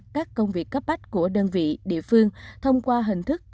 các công việc cấp bách của đơn vị địa phương thông qua hình thức